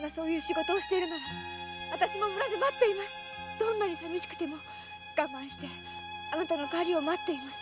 どんなに寂しくてもあなたの帰りを待っています。